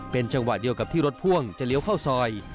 เป็นจังหวะเดียวกับที่รถพ่วงจะเลี้ยวเข้าซอย